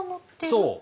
そう。